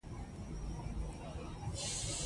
هغه وویل چې د سړو اوبو فعالیت څو عوامل لري.